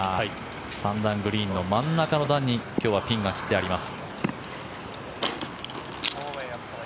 ３段グリーンの真ん中の段に今日はピンが切ってあります。